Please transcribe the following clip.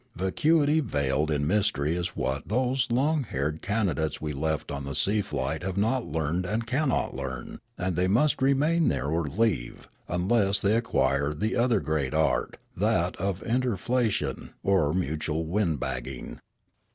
Vacuity veiled in mystery is what those long haired candidates we left on the sea flight have not learned and cannot learn, and they must remain there or leave ; unless they ac quire the other great art, that of interflation or mutual windbagging.